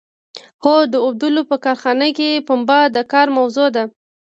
هو د اوبدلو په کارخانه کې پنبه د کار موضوع ده.